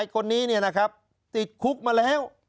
ไอ้คนนี้เงี่ยนะครับติดคุกมาแล้ว